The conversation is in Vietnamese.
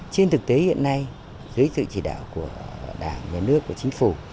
trên thực tế hiện nay dưới sự chỉ đạo của đảng nhà nước của chính phủ